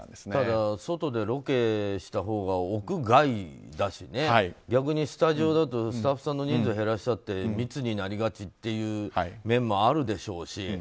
ただ、外でロケしたほうが屋外だし逆にスタジオだとスタッフさんの人数を減らしたって密になりがちという面もあるでしょうし。